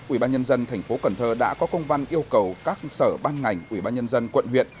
ubnd thành phố cần thơ đã có công văn yêu cầu các sở ban ngành ubnd quận huyện